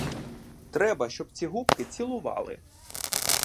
Треба, щоб ці губки цілували.